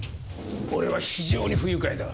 俺は非常に不愉快だ。